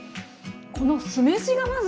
この酢飯がまず。